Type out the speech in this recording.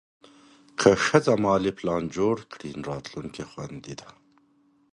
که ښځه مالي پلان جوړ کړي، نو راتلونکی خوندي دی.